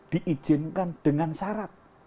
diizinkan dengan syarat